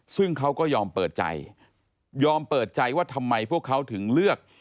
ซึ่งเขาก็ยอมเปิดใจยอมเปิดใจว่าทำไมพวกเขาถึงเลือก